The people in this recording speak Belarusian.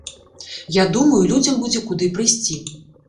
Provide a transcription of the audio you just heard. Я думаю, людзям будзе куды прыйсці.